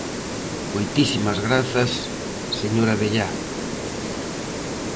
Moitísimas grazas, señor Abellá.